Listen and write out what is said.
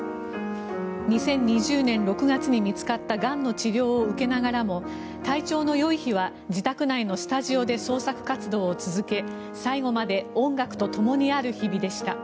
２０２０年６月に見つかったがんの治療を受けながらも体調のよい日は自宅内のスタジオで創作活動を続け最後まで音楽とともにある日々でした。